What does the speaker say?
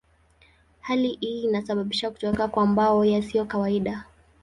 Hali hii inasababisha kutokea kwa mambo yasiyo kawaida.